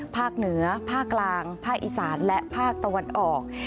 ภาคเหนือภาคกลางภาคอีสานและภาคตะวันออก